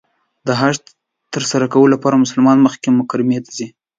د حج تر سره کولو لپاره مسلمانان مکې مکرمې ته ځي .